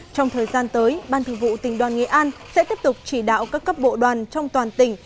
trong thời gian tới ban thường vụ tỉnh đoàn nghệ an sẽ tiếp tục chỉ đạo các cấp bộ đoàn trong toàn tỉnh